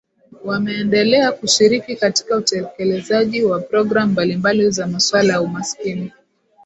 Wameendelea kushiriki katika utekelezaji wa program mbalimbali za masuala ya umaskini